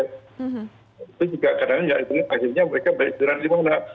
itu juga kadang kadang akhirnya mereka beristirahat di mana